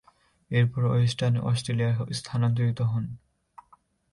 এরপর ওয়েস্টার্ন অস্ট্রেলিয়ায় স্থানান্তরিত হন।